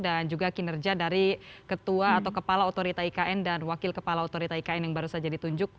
dan juga kinerja dari ketua atau kepala otorita ikn dan wakil kepala otorita ikn yang baru saja ditunjuk